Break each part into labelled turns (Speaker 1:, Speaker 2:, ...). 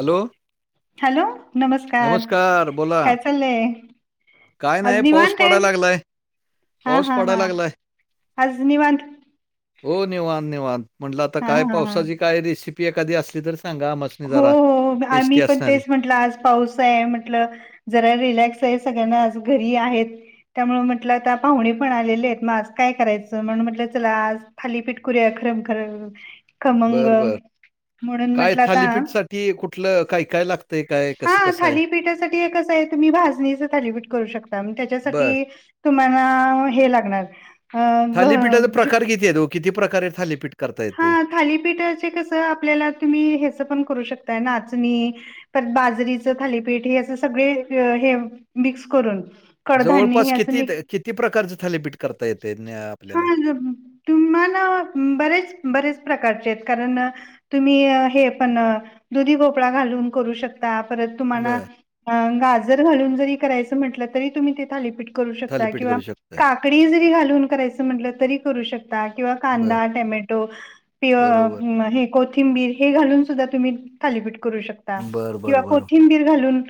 Speaker 1: Hello.
Speaker 2: Hello. नमस्कार. काय चाललंय?
Speaker 1: काय
Speaker 2: आज
Speaker 1: नाही. पाऊस
Speaker 2: निवांत आहे
Speaker 1: पडाय लागलाय.
Speaker 2: हा
Speaker 1: पाऊस
Speaker 2: हा हा.
Speaker 1: पडायला लागलाय
Speaker 2: आज निवांत?
Speaker 1: हो. निवांत निवांत. म्हटलं आता
Speaker 2: हा
Speaker 1: काय
Speaker 2: हा हा
Speaker 1: पावसाची काय रेसिपी एखादी असली तर सांगा आम्हास्नी.
Speaker 2: हो हो. आ मी पण तेच म्हंटलं आज- पाऊस आहे म्हंटल. जरा रिलॅक्स आहे सगळ्यांना आज घरी आहेत- त्यामुळे म्हटलं आता पाहुणे पण आलेले आहेत. म आज काय करायचं? म्हणून म्हटलं चला आज- थालीपीठ करु या अ ख्ररमखर खमंग
Speaker 1: बर बर
Speaker 2: म्हणून
Speaker 1: काय
Speaker 2: म्हटलं-
Speaker 1: थालीपीठसाठी कुठलं काय काय लागतंय काय
Speaker 2: हा.
Speaker 1: कसं कसं आहे
Speaker 2: थालीपीठासाठी एकच आहे तुम्ही भाजणीच थालीपीठ- करू शकता. म त्यासाठी
Speaker 1: बर
Speaker 2: तुम्हाला हे लागणार. अ
Speaker 1: थालीपीठाचे
Speaker 2: ग
Speaker 1: प्रकार किती आहेत ओ? किती प्रकारे थालीपीठ- करता
Speaker 2: हा.
Speaker 1: येते
Speaker 2: थालीपीठाचे कस? आपल्याला तुम्ही ह्याचं पण करू शकताय. नाचणी- पर बाजरीच थालीपीठ. हे असं सगळे हे मिक्स करून. कडधान्य
Speaker 1: जवळपास
Speaker 2: हे असं
Speaker 1: किती
Speaker 2: मिक्स-
Speaker 1: किती प्रकारचे थालीपीठ करता येतय?
Speaker 2: हा. तुम्हाला बरेच बरेच प्रकारचे आहेत कारण- तुम्ही हे पण दुधीभोपळा घालून करू शकता. ता परत तुम्हाला
Speaker 1: बर
Speaker 2: गाजर घालुन जरी करायच म्हटल तरी तुम्ही ते थालीपीठ- करू शकताय
Speaker 1: थालीपीठ
Speaker 2: कींवा
Speaker 1: करू शकताय
Speaker 2: काकडी जरी घालून कराय - म्हटलं तरी करू शकता किंवा
Speaker 1: बर
Speaker 2: कांदा टोमॅटो.
Speaker 1: बरोबर
Speaker 2: किंवा हे - कोथिंबीर हे घालून सुद्धा तुम्ही थालीपीठ करू शकता
Speaker 1: बर बर
Speaker 2: किंवा
Speaker 1: बर
Speaker 2: कोथिंबीर घालून-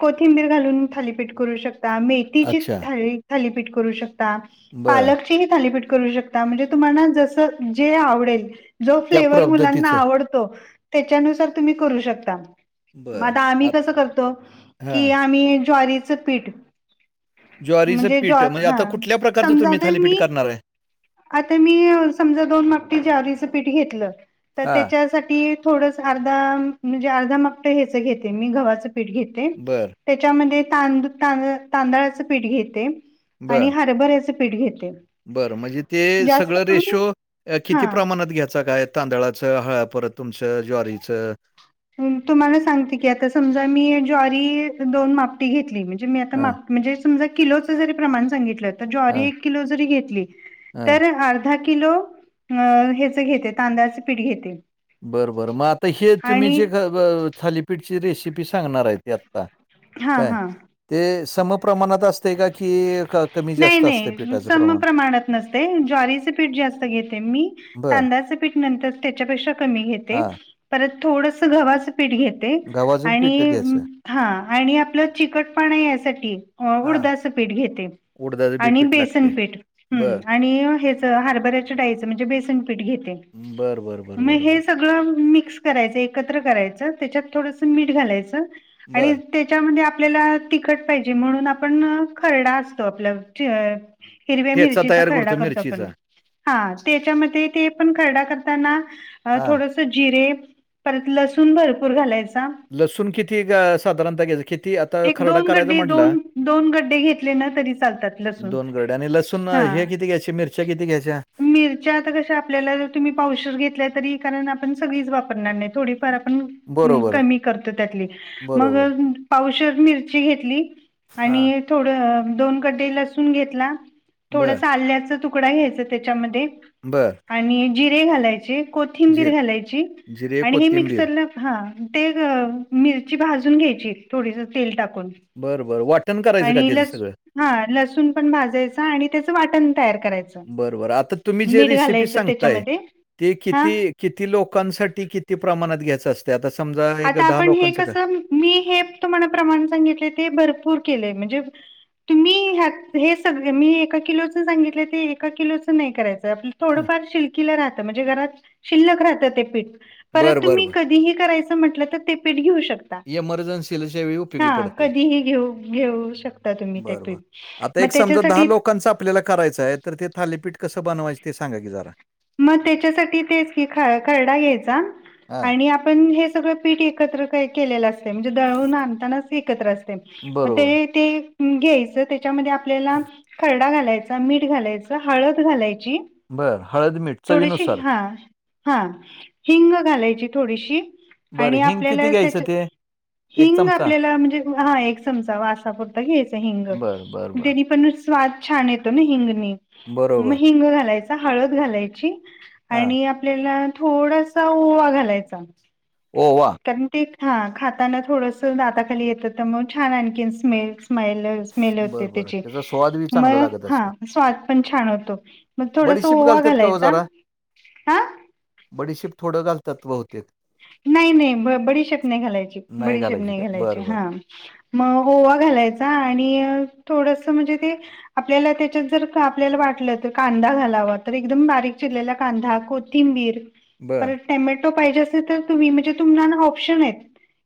Speaker 2: कोथिंबीर घालून थालीपीठ करू शकता. मेथीची
Speaker 1: अच्छा
Speaker 2: थाली थालीपीठ करू शकता.
Speaker 1: बर
Speaker 2: पालकचे ही थालीपीठ करू शकता म्हणजे तुम्हाला जस जे आवडेल- जो
Speaker 1: त्या
Speaker 2: फ्लेवर मुलांना
Speaker 1: पद्धतीचं
Speaker 2: आवडतो त्याच्यानुसार तुम्ही करू शकता. मग
Speaker 1: बरं.
Speaker 2: आता आम्ही
Speaker 1: आत
Speaker 2: कसं करतो की
Speaker 1: हां.
Speaker 2: आम्ही ज्वारीचं पीठ-
Speaker 1: ज्वारीचं
Speaker 2: म्हणजे
Speaker 1: पीठ
Speaker 2: ज्वा
Speaker 1: म्हणजे
Speaker 2: हा
Speaker 1: आता कुठल्या प्रकारचं
Speaker 2: समजा
Speaker 1: तुम्ही
Speaker 2: आता
Speaker 1: थालीपीठ
Speaker 2: मी
Speaker 1: करणार आहे?
Speaker 2: आता मी समजा दोन मापटी ज्वारीच पीठ घेतलं तर
Speaker 1: हां.
Speaker 2: त्याच्यासाठी- तेवढंच अर्धा म्हणजे अर्धा मापट ह्याच घेते मी गव्हाचं पीठ घेते.
Speaker 1: बरं,
Speaker 2: त्याच्यामध्ये तांदू तांद तांदळाचं पीठ घेते आणि
Speaker 1: बरं,
Speaker 2: हरबऱ्याच- पीठ घेते.
Speaker 1: बरं म्हणजे ते
Speaker 2: जास्त
Speaker 1: सगळं
Speaker 2: करून
Speaker 1: रेशो किती
Speaker 2: हा
Speaker 1: प्रमाणात घ्यायचा काय? तांदळाच हळ परत- तुमचं ज्वारीचं?
Speaker 2: म तुम्हाला सांगते की आता समजा मी ज्वारी, दोन मापटी घेतली, म्हणजे मी आता
Speaker 1: हां,
Speaker 2: माप म्हणजे समजा किलोच जरी प्रमाण सांगितल, तर ज्वारी
Speaker 1: हां,
Speaker 2: एक किलो जरी घेतली,
Speaker 1: हां.
Speaker 2: तर अर धा किलो अ ह्याच घेते, तांदळाच पीठ घेते.
Speaker 1: बरं बरं मग आता, हे तुम्ही
Speaker 2: आणि
Speaker 1: जे थालीपीठची रेसिपी सांगणार आहे ते, आता.
Speaker 2: हां हां.
Speaker 1: ते समप प्रमाणात असतय का की, कमी
Speaker 2: नाही
Speaker 1: जास्त असते
Speaker 2: नाही
Speaker 1: पिठाच प्रमाण?
Speaker 2: पिठ जास्त घेते मी,
Speaker 1: बरं.
Speaker 2: तांदळाच पिठ नंतर, त्याच्यापेक्षा कमी घेते,
Speaker 1: हां.
Speaker 2: परत थोडंस गव्हाच पिठ घे ते
Speaker 1: गव्हाचं पीठ
Speaker 2: आणि म
Speaker 1: घ्यायचं.
Speaker 2: हां आणि आपलं चिकटपणा यासाठी ऊड
Speaker 1: हां.
Speaker 2: दाच पिठ घेते
Speaker 1: उडदाचं बी
Speaker 2: आणि
Speaker 1: पीठ
Speaker 2: बेसन
Speaker 1: लागते.
Speaker 2: पिठ,
Speaker 1: बरं.
Speaker 2: हम्म आणि हे हरभऱ्याच्या डाळीच, म्हणजे बेसन पिठ घेते,
Speaker 1: बर बर बर
Speaker 2: मग
Speaker 1: बर
Speaker 2: हे
Speaker 1: बर
Speaker 2: सगळ गळ मिक्स करायचं, एकत्र करायचं, त्याच्यात थोडस मीठ घालायचं आणि
Speaker 1: बर
Speaker 2: त्याच्यामध्ये आपल्याला तिखट पाहिजे, म्हणून आपण खरडा असतो आपला ची हिरव्या
Speaker 1: ठेचा
Speaker 2: मिरचीचा
Speaker 1: तयार
Speaker 2: खरडा करतो आपण
Speaker 1: मिरचीचा
Speaker 2: हां त्याच्यामध्ये ते पण खरडा करताना,
Speaker 1: हा
Speaker 2: थोड स जिरे, परत लसूण भरपूर घालायचा.
Speaker 1: लसूण किती ग साधारणतः घ्यायचं, किती आता
Speaker 2: एक
Speaker 1: खरडा
Speaker 2: दोन
Speaker 1: करायचा
Speaker 2: गड्डे
Speaker 1: म्हटला
Speaker 2: दोन दोन गड्डे घेतले ना तरी चालतात लसूण
Speaker 1: दोन गरडे आणि लसूण
Speaker 2: हा
Speaker 1: हे किती घ्यायचे, मिरच्या किती घ्यायच्या?
Speaker 2: मिरच्या आता कशा आपल्याला जर तुम्ही पावशर घेतल्या, तरी कारण आपण सगळीच वापरणार नाही थोडी फार
Speaker 1: बरोबर
Speaker 2: कमी करतो त्यातली, मग
Speaker 1: बरोबर
Speaker 2: पावशर मिरची घेतली.
Speaker 1: हा
Speaker 2: आणि थोड दोन गड्डे लसून घेतला,
Speaker 1: बर
Speaker 2: थोडस आल्याचं तू कडा घ्यायचा त्याच्यामध्ये
Speaker 1: बं.
Speaker 2: आणि जिरे घालायचे, कोथिंबीर घालायची
Speaker 1: जिरे
Speaker 2: आणि हे
Speaker 1: कोथिंबीर
Speaker 2: मिक्सरला हां, ते ग मिरची भाजून घ्यायची, थोडीस तेल टाकून.
Speaker 1: बरं बरं वाट
Speaker 2: आणि लस हां लसूण पण भाजायचा आणि त्याचं वाटण तयार करायचं.
Speaker 1: बरबर आता तुम्ही जे
Speaker 2: मीठ
Speaker 1: रेसिपी
Speaker 2: घालायचं
Speaker 1: सांगताय,
Speaker 2: त्याच्यामध्ये
Speaker 1: ते
Speaker 2: हा
Speaker 1: किती किती लोकांसाठी, किती प्रमाणात घ्यायचं असत? आता समजा एक
Speaker 2: आता
Speaker 1: दहा
Speaker 2: आपण हे
Speaker 1: लोकांचं क
Speaker 2: कसं मी हे तुम्हाला प्रमाण सांगितलय, ते भरपूर केलेय म्हणजे तुम्ही ह्यात हे सग, मी एका किलोच सांगितलं, ते एका किलोचं नाही करायचं. ते आपल
Speaker 1: हं.
Speaker 2: थोडंफार शिल्कीला राहतं, म्हणजे घरात शिल्लक राहतं ते पीठ.
Speaker 1: बर
Speaker 2: परत
Speaker 1: बर
Speaker 2: तुम्ही
Speaker 1: बर
Speaker 2: कधीही करायचं म्हटलं तर, ते पीठ घेऊ शक ता,
Speaker 1: इमर्जन्सीच्या वेळी उपयोगी
Speaker 2: हा
Speaker 1: पडते
Speaker 2: कधीही घेऊ- घेऊ शकता तुम्ही ते
Speaker 1: बरं, बरं.
Speaker 2: पीठ.
Speaker 1: आता
Speaker 2: मग
Speaker 1: एक समजा दहा
Speaker 2: त्याच्यासाठी
Speaker 1: लोकांचं आपल्याला करायचं आहे, तर ते थालीपीठ कसं बनवायचं, ते सांगा की जरा.
Speaker 2: मग त्याच्यासाठी तेच की, खरडा घ्यायचा
Speaker 1: हां,
Speaker 2: आणि आपण हे सगळ पिठ एकत्र काय-केलेले असत म्हणजे दळून आणतानाच एकत्र असते, म
Speaker 1: बरोबर.
Speaker 2: ते ते घ्यायचं, त्याच्यामध्ये आपल्याला खरडा घालायचा, मीठ घालायच, हळद घालायची
Speaker 1: बरं, हळद-मिठ.
Speaker 2: थोडीशी हां, हां हिंग घालायची थोडीशी
Speaker 1: बरं,
Speaker 2: आणि
Speaker 1: हिंग किती
Speaker 2: आपल्याला
Speaker 1: घ्यायचं
Speaker 2: त्याच्या
Speaker 1: ते?
Speaker 2: हिंग
Speaker 1: चमचा?
Speaker 2: आपल्याला, म्हणजे हां एक चमचा, वासापुरता घ्यायचा हिंग.
Speaker 1: बरं, बरं, बरं.
Speaker 2: तेनी पण नुस स्वाद छान येतो ना हिंगणी मग
Speaker 1: बरोबर.
Speaker 2: हिंग घालायचा, हळद घालायची.
Speaker 1: हां,
Speaker 2: आणि आपल्याला थोडासा ओवा घालायचा.
Speaker 1: ओवा.
Speaker 2: कारण ते खा खाताना थोडंस दाताखाली येतं तर मग छान आणखी स्मेल स्माईल स्मेल होते
Speaker 1: बरं, बरं.
Speaker 2: त्याची
Speaker 1: त्याचा स्वाद बी
Speaker 2: म
Speaker 1: चांगला लागत
Speaker 2: हा
Speaker 1: असेल.
Speaker 2: स्वाद पण छान होतो मग थोडास
Speaker 1: बडीशेप
Speaker 2: ओवा
Speaker 1: घालतात का
Speaker 2: घालायचा हा
Speaker 1: बडीशिप थोडं घालतात बहुतेक
Speaker 2: नाही नाही ब बडीशेप नाही घालायची बडीशेप नाही
Speaker 1: का?
Speaker 2: घालायची
Speaker 1: बरं, बरं.
Speaker 2: हा म ओवा घालायचा आणि थोडस म्हणजे ते आपल्याला त्याच्यात जर आपल्याला वाटलं तर कांदा घालावा तर एकदम बारीक चिरलेला कांदा को कोथिंबीर.
Speaker 1: बरं
Speaker 2: टमॅटो पाहिजे असेल तर तुम्ही म्हणजे तुमना ना ऑप्शन आहेत.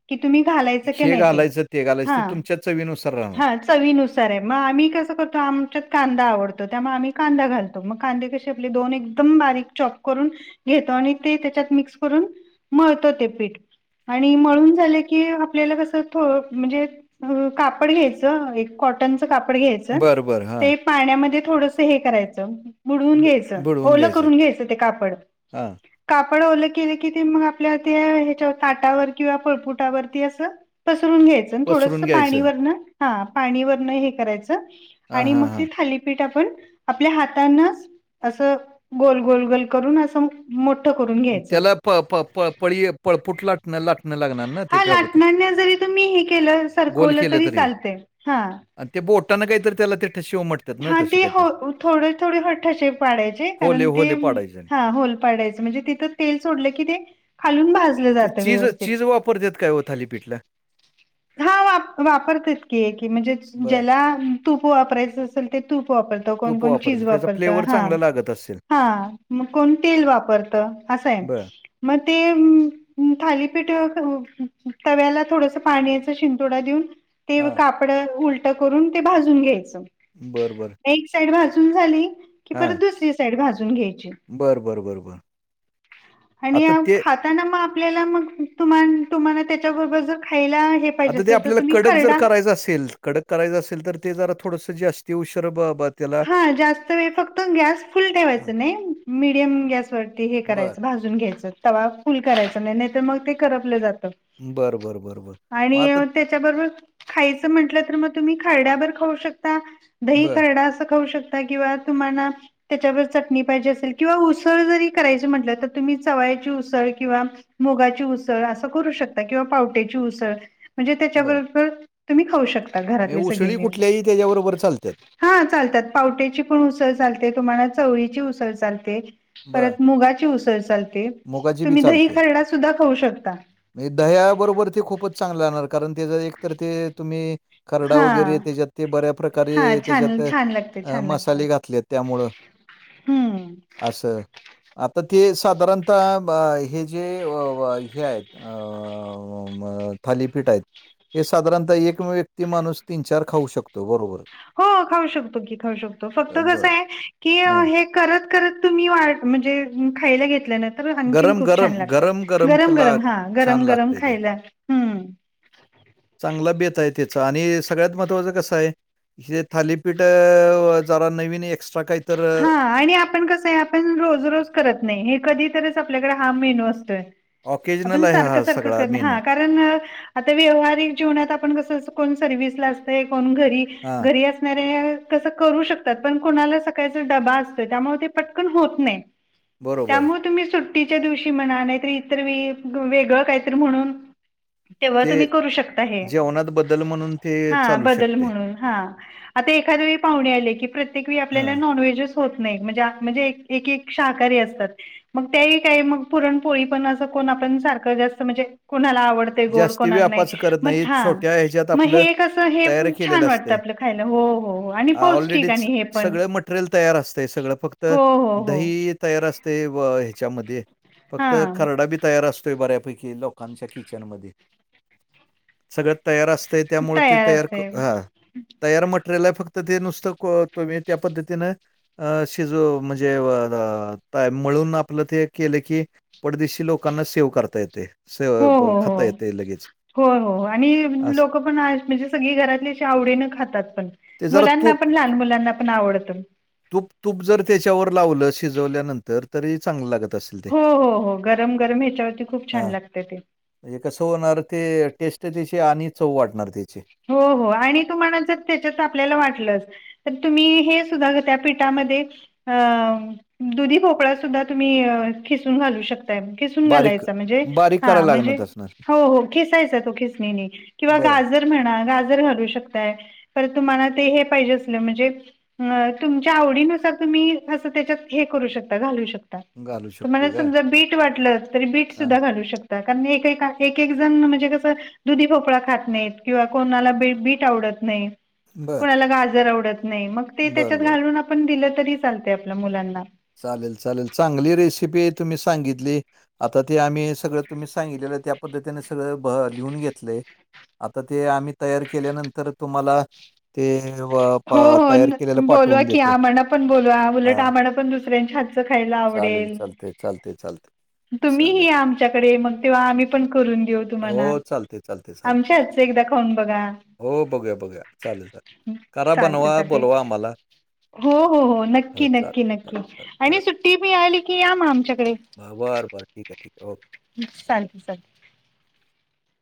Speaker 2: कि तुम्ही घालायचं की
Speaker 1: हे
Speaker 2: नाही ते
Speaker 1: घालायचं, घालायचं
Speaker 2: हा
Speaker 1: ते तुमच्या चवीनुसार राहणार.
Speaker 2: हाच चवीनुसार हे मग आम्ही कसं करतो आमच्या कांदा आवडतो त्यामुळे आम्ही कांदा घालतो. मग कांदे क आपले दोन एकदम बारीक चॉप करून घेतो आणि ते त्याच्यात मिक्स करून मळतो ते पीठ. आणि मळून झाले की आपल्याला कस थो म्हणजे कापड घ्यायचं एक कॉटनचं कापड घ्यायचं
Speaker 1: बरं, बरं. हां.
Speaker 2: ते पाण्यामध्ये थोडस हे करायचं. बुडवून
Speaker 1: ब
Speaker 2: घ्यायचं
Speaker 1: बुडवून
Speaker 2: ओलं करून घ्यायचं ते कापड
Speaker 1: हां,
Speaker 2: कापड ओलं केलं की ते मग आपल्या त्या हेच्यावर ताटावर किंवा पळपुटावरती असं पसरून घ्यायचं. मग थोडस
Speaker 1: पसरून
Speaker 2: पाणी
Speaker 1: घ्यायचं.
Speaker 2: वर्ण हा पाणी वर्ण हे करायच
Speaker 1: हां,
Speaker 2: आणि
Speaker 1: हां,
Speaker 2: मगं ते
Speaker 1: हां.
Speaker 2: थाली पीठ आपण आपल्या हातानच असं गोल गोल गोल करून असं मोठं करून घ्यायचं.
Speaker 1: त्याला प प प पळी पळपूट लाटणं लाटणं लागणार ना ते
Speaker 2: हा
Speaker 1: ते
Speaker 2: लाटण्याने जरी तुम्ही हे केलं
Speaker 1: गोल
Speaker 2: सरकवल
Speaker 1: केलं
Speaker 2: तरी चालतंय हा.
Speaker 1: आणि ते बोटानं काहीतरी त्याला ते ठशिव म्हटतात ना
Speaker 2: हा
Speaker 1: तसे
Speaker 2: ते
Speaker 1: काहीतरी
Speaker 2: हो थोडं थोडे हो ठसे पाडायचे.
Speaker 1: होले
Speaker 2: कारण ते
Speaker 1: होले पाडायचे आणि
Speaker 2: हा होल पाडायच म्हणजे तिथं तेल सोडलं की ते खालुन भाज
Speaker 1: ते चीज चीज वापरत्यात काय ओ थालीपीठला?
Speaker 2: हा वा वापरतात की की म्हणजे
Speaker 1: बर
Speaker 2: ज्याला तूप वापरायचं असेल ते तूप वापर कोण
Speaker 1: तूप
Speaker 2: कोण चीज
Speaker 1: वापरतात त्याचा
Speaker 2: वापरत
Speaker 1: फ्लेवर
Speaker 2: हा
Speaker 1: चांगला लागत असेल
Speaker 2: हा मग कोण तेल वापरतं असं हाय.
Speaker 1: बर
Speaker 2: म ते थालीपीठ तव्याला थोडंसं पाण्याचा शिंतोडा देऊन ते
Speaker 1: हा
Speaker 2: कापड उलटं करून ते भाजून घ्यायचं.
Speaker 1: बरं बरं.
Speaker 2: एक साईड भाजून झाली की परत दुसरी साईड भाजून घ्यायची.
Speaker 1: बर बर बर बर
Speaker 2: आणि
Speaker 1: आता ते
Speaker 2: खा ताना मग आपल्याला मग तुम तुम्हाला त्याच्याबरोबर जर खायला हे पाहिजे
Speaker 1: आता ते
Speaker 2: असेल तर
Speaker 1: आपल्याला
Speaker 2: तुम्ही
Speaker 1: कडक जर
Speaker 2: खरडा
Speaker 1: करायचं असेल कडक करायचं असेल तर ते जरा थोडंसं जास्ती उशर बा बत
Speaker 2: हा जास्त वेळ फक्त गॅस फुल ठेवायच
Speaker 1: हा
Speaker 2: नाही मिडियम गॅसवरती हे
Speaker 1: बर
Speaker 2: करायचं भाजु न घ्यायचं तवा फुल करायच नाही नाहीतर मग ते करपलं जात.
Speaker 1: बर बर बर बर मग
Speaker 2: आणि
Speaker 1: आता
Speaker 2: अ ते च्याबरोबर खायचं म्हटलं तर तुम्ही खरडा बर खाऊ शकता दही
Speaker 1: बर
Speaker 2: खरडा अस खाऊ शकता किंवा तुम्हाला त्याच्यावर चटणी पाहिजे असेल किंवा उसळ जरी करायची म्हटलं तर तुम्ही चवाळ्याची उसळ किंवा मुगाची उसळ असं करू शकताय किंवा पावट्याची उसळ म्हणजे
Speaker 1: बर
Speaker 2: त्याच्याबरोबर तुम्ही खाऊ शकता
Speaker 1: म्हणजे
Speaker 2: घरातले सगळे
Speaker 1: उसळी
Speaker 2: मिळून.
Speaker 1: कुठल्याही त्याच्याबरोबर चालत्यात.
Speaker 2: हा चालतात पावट्याची पण उसळ चालते तुम्हाला चवळीची उसळ चालते.
Speaker 1: बरं.
Speaker 2: परत मुगाची उसळ चालते,
Speaker 1: मुगाची बी
Speaker 2: तुम्ही दही
Speaker 1: चालते.
Speaker 2: खरडा सुद्धा खाऊ शकता.
Speaker 1: म्हणजे दह्याबरोबर ते खूपच चांगलं राहणार कारण ते ज एक तर ते तुम्ही खरडा
Speaker 2: हा
Speaker 1: वगैरे त्याच्यात ते बऱ्या प्रकारे
Speaker 2: हा छान
Speaker 1: त्याच्यात
Speaker 2: छान लागते
Speaker 1: अ
Speaker 2: छान लागते
Speaker 1: मसाले घातलेत त्यामुळं
Speaker 2: हम्म.
Speaker 1: असं आता ते साधारण ता ब हे जे अ हे आहेत. अ अ अ म थालीपीठ आहेत. हे साधारणतः एक व्यक्ती माणूस तीन चार खाऊ शकतो बरोबर.
Speaker 2: हो खाऊ शकतो की खाऊ शकतो फक्त
Speaker 1: बरं.
Speaker 2: कसंय की
Speaker 1: हां.
Speaker 2: हे करत करत तुम्ही वा म्हणजे खायला घेतलं न तर आणखीन खूप
Speaker 1: गरम-गरम,
Speaker 2: छान लागत
Speaker 1: गरम-गरम
Speaker 2: गरम
Speaker 1: ला
Speaker 2: गरम हा
Speaker 1: छान
Speaker 2: गरम गरम
Speaker 1: लागतंय ते.
Speaker 2: खायला हम्म.
Speaker 1: चांगला बेत आहे त्याचा, आणि सगळ्यात महत्वाचं कसंय हे थालीपीठं अ जरा नवीन एक्स्ट्रा काय
Speaker 2: हा आणि आपण कसंय आप पण रोज रोज करत नाही हे कधीतरंच आपल्याकडे हा मेनू असतोय. आपण
Speaker 1: ऑकेजनल आहे
Speaker 2: सारखं
Speaker 1: हा
Speaker 2: सारखं
Speaker 1: सगळा
Speaker 2: करणे हा
Speaker 1: मेनू.
Speaker 2: का कारण आता व्यवहारीक जीवनात आपण कसं स कोण सर्विसला असतंय कोण घरी
Speaker 1: हां,
Speaker 2: घरी असणाऱ्या ह्या कसं करू शकतात पण कोणाला स सकाळचा डबा असतंय त्यामुळ ते पटकन होत नाय
Speaker 1: बरोबर.
Speaker 2: त्यामुळं तुम्ही सु ट्टीच्या दिवशी म्हणा नायतर इतर वेळी वेगळं कायतरी म्हणून तेव्हा
Speaker 1: ते
Speaker 2: तुम्ही करू शकता हे.
Speaker 1: जेवणात बदल म्हणून ते
Speaker 2: हा
Speaker 1: चालू
Speaker 2: बदल
Speaker 1: शकते.
Speaker 2: म्हणून हा आता एखादं वेळी पाहुणे आले की प्रत्येक वेळी आप
Speaker 1: हां,
Speaker 2: नॉन व्हेजच होत नाही म्हणजे म्हणजे एक एक शाकाहारी असतात. मग त्याही काही मग पुरणपोळी पण असं कोण आपण सारखं जास्त म्हणजे कुणाला आवड ते गोड
Speaker 1: जास्ती
Speaker 2: कोणाला नाय,
Speaker 1: व्यापाचं करत नाही.
Speaker 2: हा
Speaker 1: छोट्या ह्याच्यात
Speaker 2: म
Speaker 1: आपलं
Speaker 2: हे कसं हे
Speaker 1: तयार
Speaker 2: छान
Speaker 1: केलेलं
Speaker 2: वाटत
Speaker 1: असतंय.
Speaker 2: आपल खायला हो हो आणि पौष्टिक आणि हे पण
Speaker 1: मट्रेल तयार असतय सगळं फक्त
Speaker 2: हो हो हो
Speaker 1: दही तयार असतय व ह्याच्यामध्ये
Speaker 2: हा
Speaker 1: फक्त खरडा बी तयार असतोय बऱ्यापैकी लोकांच्या किचन मधे सगळं तयार असतंय त्यामुळ ते तयार क
Speaker 2: असते
Speaker 1: हा
Speaker 2: हो
Speaker 1: तयार मट्रेल हाय, फक्त ते नुसतं को तुम्ही त्या पद्धतीनं अ शिजो म्हणजे व द काय मळून आपलं ते केलं की पटदीशी लोकांना सेव्ह करता येतंय स प खाता येतय लगींच.
Speaker 2: होय हो आणि लोक पण आहेत म्हणजे सगळी घरातली अशी आवडीनं खातात पण.
Speaker 1: ते जरा
Speaker 2: मुलांना
Speaker 1: तूप
Speaker 2: पण लहान मुलांना पण आवडतं.
Speaker 1: तूप तूप जर त्याच्यावर लावलं शिजवल्या नं तर तरी चांगलं लागत असल ते
Speaker 2: हो, हो, हो. गरम, गरम ह्याच्यावरती खूप छान
Speaker 1: हा
Speaker 2: लागतं ते.
Speaker 1: म्हणजे कसं होणार ते टेस्ट त्याची आणि चव वाढणार त्याची
Speaker 2: हो हो आणि तुम्हानां जर त्याच्यात आपल्याला वाटलंच तर तुम्ही हे सुद्धा त्या पीठामध्ये अं दुधी भोपळा सुद्धा तुम्ही अ खिसून घालू शकताय. खिसून
Speaker 1: बारीक
Speaker 2: घालायचा म्हणजे
Speaker 1: बारीक
Speaker 2: हा
Speaker 1: करायला
Speaker 2: म्हणजे
Speaker 1: लागणार असणार.
Speaker 2: हो हो खिसायचा तो खिसणीनी किंवा
Speaker 1: बरं.
Speaker 2: गाज म्हणा गाजर घालू शकताय तुम्हाला ते हे पाहिजे असलं म्हणजे अ तुमच्या आवडीनुसार तुम्ही असं त्याच्यात हे करू शकता घालू शक ता.
Speaker 1: घालू
Speaker 2: तुम्हाला
Speaker 1: शकतोय काय?
Speaker 2: समजा बीट वाटलं तरी बीट
Speaker 1: हां.
Speaker 2: सुद्धा घालू शक ता. कारण एकएका एक एक जण म्हणजे कसं दुधी भोपळा खात नायत. किंवा कोणाला बी -बीट आवडत नाय
Speaker 1: बरं.
Speaker 2: कोणाला गाजर आवडत नाय मग ते त्याच्यात
Speaker 1: बरं, बरं.
Speaker 2: घालून आपण दिलं तरी चालतय आपल्या मुलांना.
Speaker 1: चालेल चालेल चांगली रेसिपी तुम्ही सांगितली. आता ते आम्ही सगळं तुम्ही सांगितलेलं त्या पद्धतीने सगळं भ-लिहून घेतलय. आता ते आम्ही तयार केल्यानंतर तुम्हाला ते व प
Speaker 2: हो हो
Speaker 1: तयार
Speaker 2: न
Speaker 1: केलेलं
Speaker 2: -बोलवा
Speaker 1: पाठवून
Speaker 2: की
Speaker 1: देतो.
Speaker 2: आम्हानां पण बोलवा उलट
Speaker 1: हा
Speaker 2: आम्हानां पण दुसऱ्यांच्या हात च खायला
Speaker 1: चालेल
Speaker 2: आवडेल.
Speaker 1: चालतंय चालतंय चालतंय.
Speaker 2: तुम्ही ही
Speaker 1: चालेल
Speaker 2: या आमच्याकडे मग तेव्हा आम्ही पण करून देऊ तुम्हाला.
Speaker 1: हो चालतंय चाल
Speaker 2: आमच्या हातचं एकदा खाऊन बघा.
Speaker 1: हो बघूया बघूया चालेल चालेल का
Speaker 2: चालतंय चालतंय हो हो हो नक्की
Speaker 1: चालेल.
Speaker 2: नक्की न
Speaker 1: चालेल
Speaker 2: क्की आणि सुट्टी मिळाली की या म आमच्याकडे.
Speaker 1: बर बर ठिकाय ठिकाय ओके.
Speaker 2: चालतंय चालतंय.